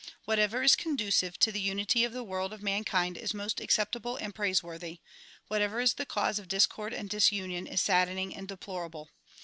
Whatever is conducive to the unity of the world of mankind is most acceptable and praiseworthy; whatever is the cause of discord and disunion is saddening and deplorable.